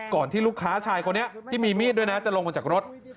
ที่ลูกค้าชายคนนี้ที่มีมีดด้วยนะจะลงมาจากรถ